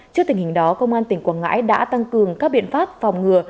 trước tình hình đó công an tỉnh quảng ngãi đã tăng cường các biện pháp phòng ngừa